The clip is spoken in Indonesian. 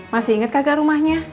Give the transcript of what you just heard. masih inget kagak rumahnya